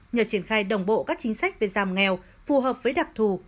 nhờ triển khai đồng bộ các chính sách về giảm nghèo phù hợp với đặc thù